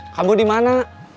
kamu di mana